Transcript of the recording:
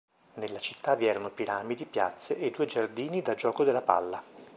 Nella città vi erano piramidi, piazze e due giardini da gioco della palla.